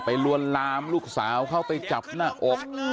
ลวนลามลูกสาวเข้าไปจับหน้าอก